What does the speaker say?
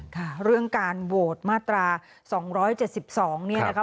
ค่ะเรื่องการโหวตมาตรา๒๗๒เนี่ยนะคะ